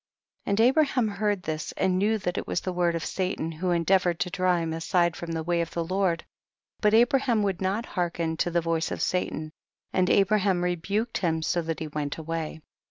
28. And Abraham heard this and knew that it was the word of Satan who endeavored to draw him aside from the way of the Lord, but Abraham would not hearken to the voice of Satan, and Abraham rebu ked him so that he went away.